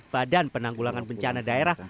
badan penanggulangan bencana daerah